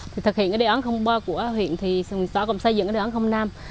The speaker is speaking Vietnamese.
thực hiện cái đề oán không ba của huyện thì xóa cộng xây dựng cái đề oán không nam